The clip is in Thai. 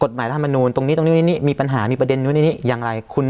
กฎหมายรัฐมนุนตรงนี้ตรงนี้ตรงนี้มีปัญหามีประเด็นยังไร